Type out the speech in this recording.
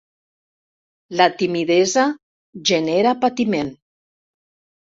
La timidesa genera patiment.